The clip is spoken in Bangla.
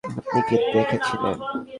আপনি কী দেখেছিলেন?